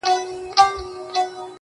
له خوب چي پاڅي، توره تياره وي.